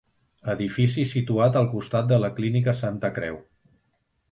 Edifici situat al costat de la Clínica Santa Creu.